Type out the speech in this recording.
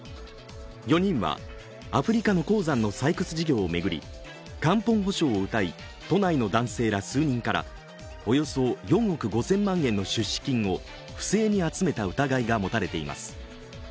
４人は、アフリカの鉱山の採掘事業を巡り、元本保証をうたい、都内の男性ら数人からおよそ４億５０００万円の出資金を不正に集めた疑いが持たれています。